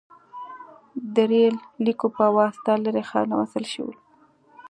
• د ریل لیکو په واسطه لرې ښارونه وصل شول.